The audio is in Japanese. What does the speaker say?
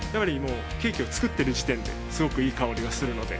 ケーキを作ってる時点ですごくいい香りがするので。